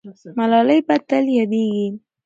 ملالۍ به تل یادېږي.